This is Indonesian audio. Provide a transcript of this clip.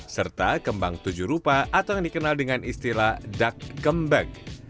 serta kembang tujuh rupa atau yang dikenal dengan istilah dak kembek